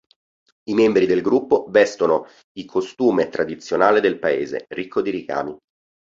I membri del gruppo vestono l costume tradizionale del paese, ricco di ricami.